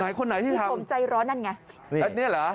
หลายคนไหนที่ทำวันนี้เหรอ